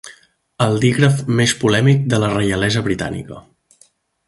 El dígraf més polèmic de la reialesa britànica.